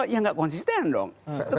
ya gak konsisten dong